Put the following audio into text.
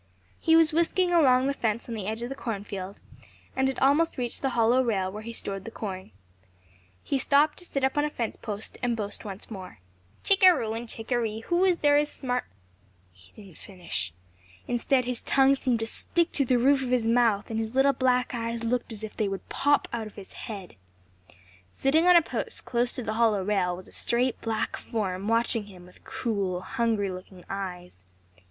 He was whisking along the fence on the edge of the cornfield and had almost reached the hollow rail where he had stored the corn. He stopped to sit up on a fence post and boast once more. "Chickaro and chickaree! Who is there as smart—" He didn't finish. Instead his tongue seemed to stick to the roof of his mouth and his little black eyes looked as if they would pop out of his head. Sitting on a post close to the hollow rail was a straight, black form watching him with cruel, hungry looking eyes.